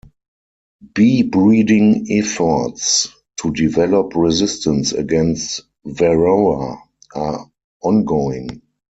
Bee-breeding efforts to develop resistance against "Varroa" are ongoing.